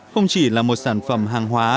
không chỉ là một sản phẩm hàng